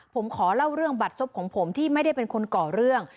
ผมขอเล่าเรื่องบัตรศพของผมที่ไม่ได้เป็นคนก่อเรื่อง